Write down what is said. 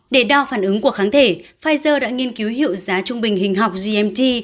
để đo phản ứng của kháng thể pfizer đã nghiên cứu hiệu giá trung bình hình học gmt